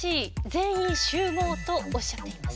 全員集合とおっしゃっています。